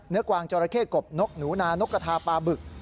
กวางจอราเข้กบนกหนูนานกกระทาปลาบึก